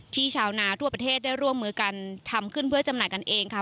ชาวนาทั่วประเทศได้ร่วมมือกันทำขึ้นเพื่อจำหน่ายกันเองค่ะ